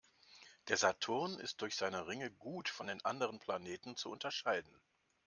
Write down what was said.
Der Saturn ist durch seine Ringe gut von den anderen Planeten zu unterscheiden.